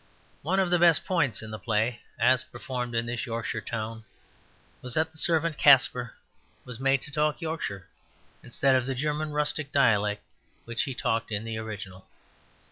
One of the best points in the play as performed in this Yorkshire town was that the servant Caspar was made to talk Yorkshire, instead of the German rustic dialect which he talked in the original.